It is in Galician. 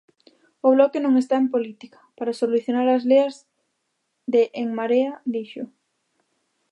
O Bloque non está en política "para solucionar as leas de En Marea", dixo.